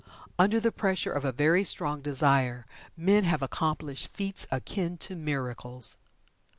Under the pressure of a very strong Desire men have accomplished feats akin to miracles.